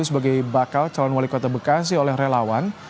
sebagai bakal calon wali kota bekasi oleh relawan